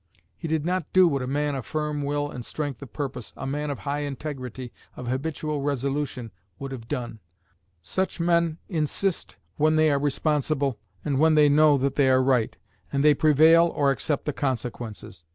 He did not do what a man of firm will and strength of purpose, a man of high integrity, of habitual resolution, would have done. Such men insist when they are responsible, and when they know that they are right; and they prevail, or accept the consequences.